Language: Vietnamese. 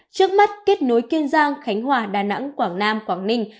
trước mắt kết nối kiên giang khánh hòa đà nẵng quảng nam quảng ninh